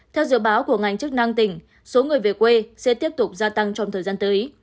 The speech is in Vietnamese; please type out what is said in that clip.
theo dự báo của ngành chức năng tỉnh số người về quê sẽ tiếp tục gia tăng trong thời gian tới